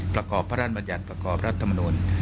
ประกอบพระราชบัญญัติประกอบรัฐมนุน